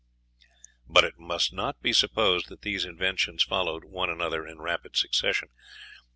But it must not be supposed that these inventions followed one another in rapid succession.